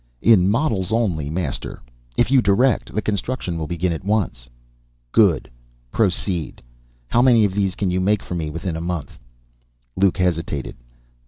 "In models only, Master. If You direct, the construction will begin at once." "Good. Proceed. How many of these can you make for Me within a month?" Luke hesitated.